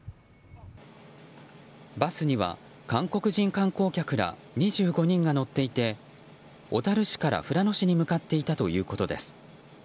バスには韓国人観光客ら２５人が乗っていて小樽市から富良野市に向かっていたということです。